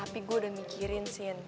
tapi gue udah mikirin sih